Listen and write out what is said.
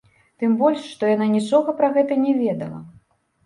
Тым больш, што яна нічога пра гэта не ведала.